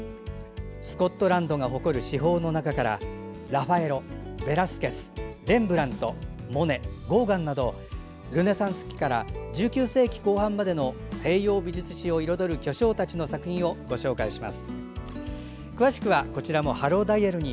スコットランドが誇る至宝の中からラファエロ、ベラスケスレンブラントモネ、ゴーガンなどルネサンス期から１９世紀後半までの西洋美術史を彩る巨匠たちの作品をご紹介します。